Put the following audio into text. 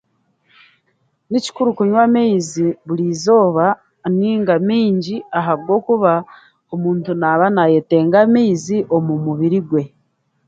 Ni kikuru kunywa amaizi burizooba nainga maingi ahabwokuba omuntu naaba naayetenga amaizi omu mubiri gwe.